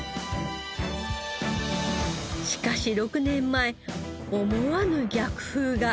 しかし６年前思わぬ逆風が。